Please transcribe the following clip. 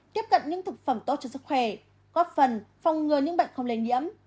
tiếp cận những thực phẩm tốt cho sức khỏe góp phần phòng ngừa những bệnh không linh di âm